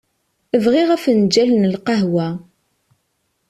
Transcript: Bɣiɣ afenǧal n lqehwa.